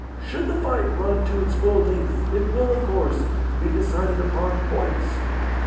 Should the fight run to its full length, it will, of course, be decided upon points.